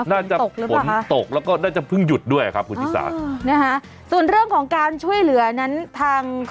น่าจะฝนตกแล้วก็น่าจะเพิ่งหยุดด้วยครับคุณชิสานะฮะส่วนเรื่องของการช่วยเหลือนั้นทาง